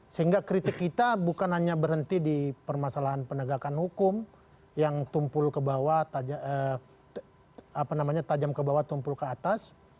sehingga kritik kita bukan hanya berhenti di permasalahan penegakan hukum yang tumpul ke bawah tajam ke bawah tumpul ke atas